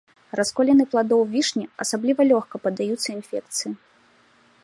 Расколіны пладоў вішні асабліва лёгка паддаюцца інфекцыі.